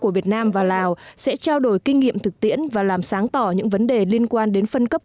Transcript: việt nam và lào sẽ trao đổi kinh nghiệm thực tiễn và làm sáng tỏ những vấn đề liên quan đến phân cấp